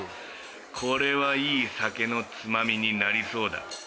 これはいい酒のつまみになりそうだ。